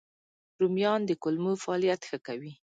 رومیان د کولمو فعالیت ښه کوي